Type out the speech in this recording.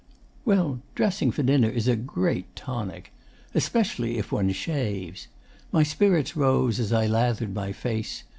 'Well, dressing for dinner is a great tonic. Especially if one shaves. My spirits rose as I lathered my face.